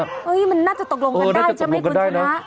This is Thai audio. มันน่าจะตกลงกันได้ใช่ไหมคุณชนะ